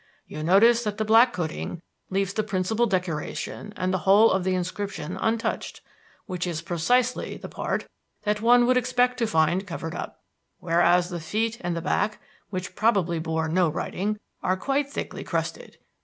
You notice that the black coating leaves the principal decoration and the whole of the inscription untouched, which is precisely the part that one would expect to find covered up; whereas the feet and the back, which probably bore no writing, are quite thickly crusted.